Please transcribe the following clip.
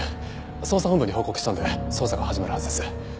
捜査本部に報告したんで捜査が始まるはずです。